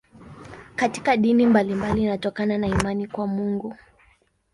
Katika dini mbalimbali inatokana na imani kwa Mungu.